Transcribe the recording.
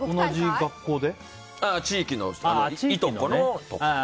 地域の、いとこのとか。